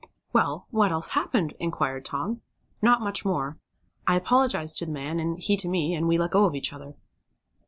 "Well, what else happened?" inquired Tom "Not much more. I apologized to the man, and he to me, and we let go of each other."